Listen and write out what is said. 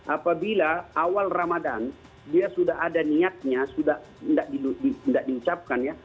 apabila awal ramadan dia sudah ada niatnya sudah tidak diucapkan ya